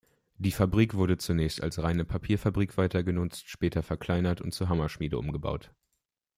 Die Fabrik wurde zunächst als reine Papierfabrik weitergenutzt, später verkleinert und zur Hammerschmiede umgebaut.